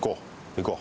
行こう。